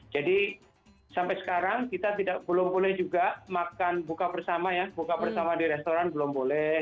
jadi sampai sekarang kita belum boleh juga makan buka bersama ya buka bersama di restoran belum boleh